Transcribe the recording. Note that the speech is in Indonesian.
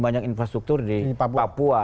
banyak infrastruktur di papua